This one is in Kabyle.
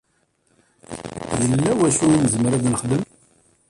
Yella wacu i nezmer ad t-nexdem?